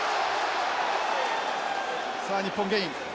さあ日本ゲイン。